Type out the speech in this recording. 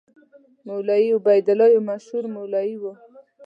مولوي عبیدالله یو مشهور مولوي دی.